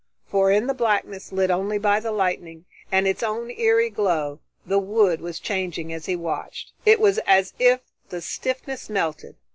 For in the blackness lit only by the lightning and its own eerie glow, the wood was changing as he watched. It was as if the stiffness melted.